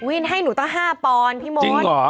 วินให้หนูต้อง๕ปอนพี่โม๊ต